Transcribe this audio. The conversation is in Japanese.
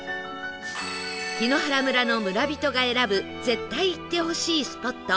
檜原村の村人が選ぶ絶対行ってほしいスポット